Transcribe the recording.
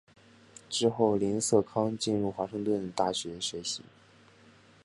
之后林瑟康进入华盛顿大学学习。